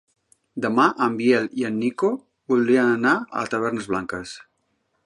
Demà en Biel i en Nico voldrien anar a Tavernes Blanques.